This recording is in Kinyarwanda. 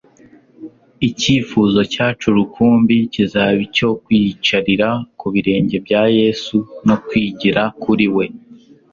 Icyifuzo cyacu rukumbi kizaba icyo kwiyicarira ku birenge bya Yesu no kwigira kuri we.